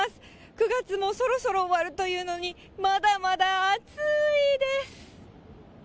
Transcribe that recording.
９月もそろそろ終わるというのに、まだまだ暑いです。